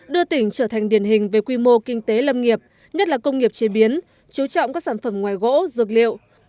đưa tỉnh trở thành điển hình về quy mô kinh tế lâm nghiệp nhất là công nghiệp chế biến chú trọng các sản phẩm ngoài gỗ dược liệu